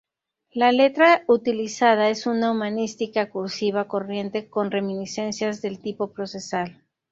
La letra utilizada es una "humanística cursiva corriente", con reminiscencias del tipo procesal.